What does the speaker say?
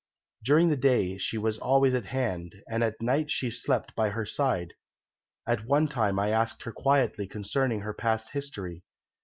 During the day she was always at hand, and at night she slept by her side. At one time I asked her quietly concerning her past history.